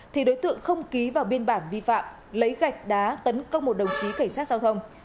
thì đối tượng không ký vào biên bản vi phạm lấy gạch đá tấn công một đồng chí cảnh sát giao thông